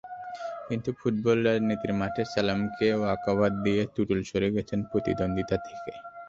কিন্তু ফুটবল রাজনীতির মাঠে সালামকে ওয়াকওভার দিয়ে টুটুল সরে গেছেন প্রতিদ্বন্দ্বিতা থেকে।